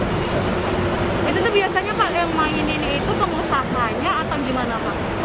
itu biasanya pak yang mainin itu pengusahanya atau gimana pak